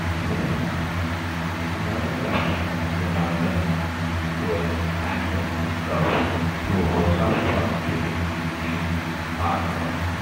Chicago captain Jonathan Toews handed the Cup to Hossa first during the team pass-around.